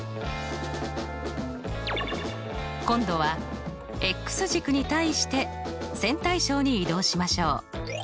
今度は軸に対して線対称に移動しましょう。